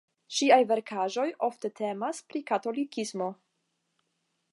Ŝiaj verkaĵoj ofte temas pri katolikismo.